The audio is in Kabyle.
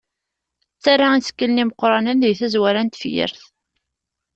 Ttarra isekkilen imeqranen deg tazwara n tefyirt.